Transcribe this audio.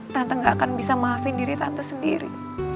tante gak akan bisa maafin diri tante sendiri